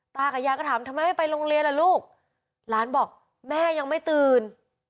ตากับยายก็ถามทำไมไม่ไปโรงเรียนล่ะลูกหลานบอกแม่ยังไม่ตื่น